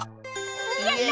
やった！